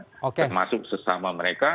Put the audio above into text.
termasuk sesama mereka